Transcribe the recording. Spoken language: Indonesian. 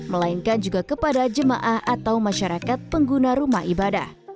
melainkan juga kepada jemaah atau masyarakat pengguna rumah ibadah